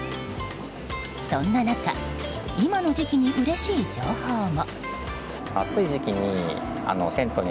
そんな中今の時期にうれしい情報も。